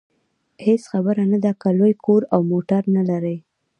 هېڅ خبره نه ده که لوی کور او موټر نلرئ.